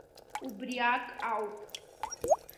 Убриак ауп.